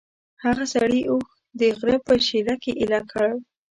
هغه سړي اوښ د غره په شېله کې ایله کړ.